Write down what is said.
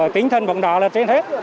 tính thân bóng đá là trên hết